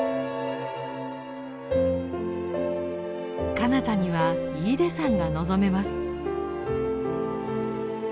かなたには飯豊山が望めます。